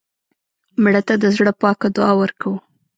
مړه ته د زړه پاکه دعا ورکوو